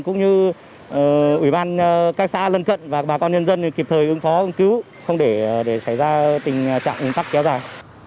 cũng như ủy ban các xã lân cận và bà con nhân dân kịp thời ứng phó ứng cứu không để xảy ra tình trạng ủn tắc kéo dài